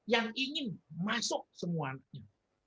yang ingin masuk semuanya